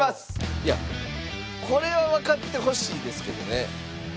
いやこれはわかってほしいですけどね。